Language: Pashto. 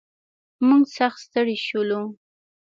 موږ سخت ستړي شولو.